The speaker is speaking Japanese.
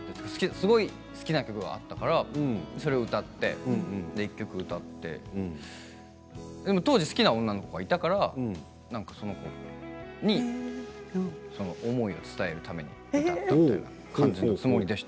すごく好きな曲があったからそれを歌って１曲歌って当時好きな女の子がいたからその子に思いを伝えるために歌ったというつもりでした。